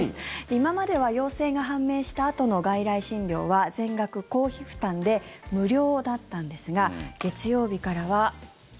今までは陽性が判明したあとの外来診療は全額公費負担で無料だったんですが月曜日からは。